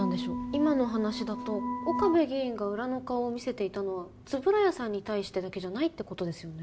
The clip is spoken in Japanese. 今の話だと岡部議員が裏の顔を見せていたのは円谷さんに対してだけじゃないってことですよね